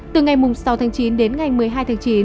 từ ngày sáu tháng chín đến ngày một mươi hai tháng chín